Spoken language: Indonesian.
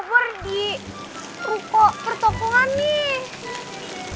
di ruko pertopongan nih